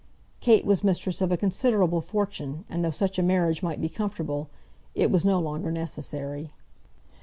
Kate was mistress of a considerable fortune, and though such a marriage might be comfortable, it was no longer necessary.